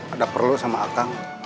ada perlu sama akang